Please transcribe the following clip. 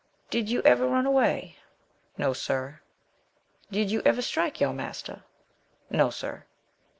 "Did you ever run away?" "No, sir." "Did you ever strike your master?" "No, sir."